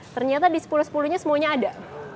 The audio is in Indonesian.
ternyata di sepuluh sepuluh nya semuanya ada